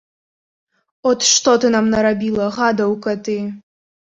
От што ты нам нарабіла, гадаўка ты!